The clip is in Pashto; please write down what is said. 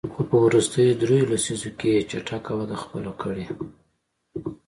خو په وروستیو دریوو لسیزو کې یې چټکه وده خپله کړې.